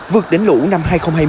vượt đến lũ năm hai nghìn hai mươi